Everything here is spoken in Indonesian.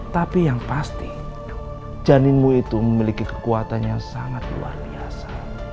tapi yang pasti janinmu itu memiliki kekuatan yang sangat luar biasa